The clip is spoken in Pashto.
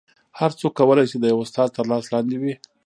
هر څوک کولی شي د یو استاد تر لاس لاندې وي